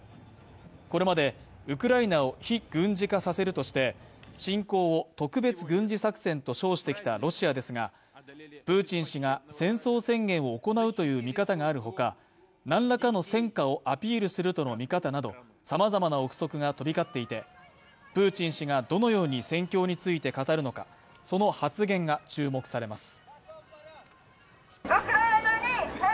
これまでウクライナを非軍事化させるとして侵攻を特別軍事作戦と称してきたロシアですが、プーチン氏が戦争宣言を行うという見方があるほか、何らかの戦果をアピールするとの見方など、さまざまな憶測が飛び交っていて、プーチン氏がどのように戦況について語るのかその発言が注目されます。